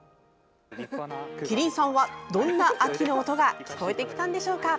麒麟さんは、どんな秋の音が聞こえてきたんでしょうか？